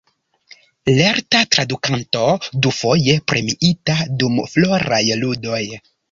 Lerta tradukanto, dufoje premiita dum Floraj Ludoj.